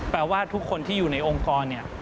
แปลว่าทุกคนที่อยู่ในองค์กร